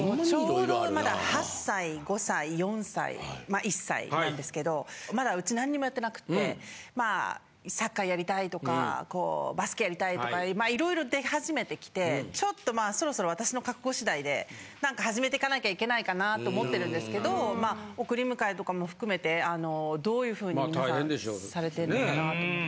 ちょうどまだ８歳５歳４歳１歳なんですけどまだうち何にもやってなくて。とかバスケやりたいとかいろいろ出始めてきてちょっとまあそろそろ私の格好しだいで何か始めていかなきゃいけないかなと思ってるんですけど送り迎えとかも含めてどういうふうに皆さんされてるのかなと思って。